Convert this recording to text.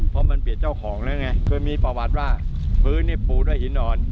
เพราะมันเปลี่ยนเจ้าของแล้วไงเคยมีประวัติว่าพื้นนี่ปูด้วยหินอ่อน